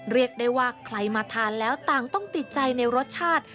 เรียกได้ว่าใครมาทานแล้วต่างต้องติดใจในรสชาติ